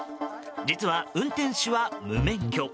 実は、運転手は無免許。